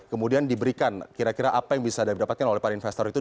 kemudian diberikan kira kira apa yang bisa didapatkan oleh para investor itu